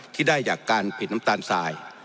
ที่ได้จากการปิดน้ำตาลทราย